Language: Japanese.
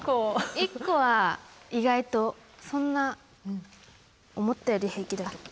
１個は意外とそんな思ったより平気だけど。